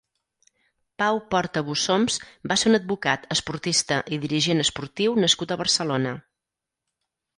Pau Porta Bussoms va ser un advocat, esportista, i dirigent esportiu nascut a Barcelona.